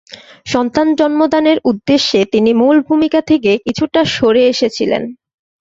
সন্তান জন্মদানের উদ্দেশ্যে তিনি মূল ভুমিকা থেকে কিছুটা সরে এসেছিলেন।